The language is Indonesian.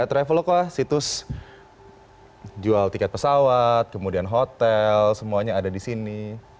traveloka situs jual tiket pesawat kemudian hotel semuanya ada di sini